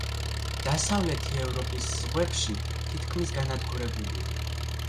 დასავლეთი ევროპის ზღვებში თითქმის განადგურებულია.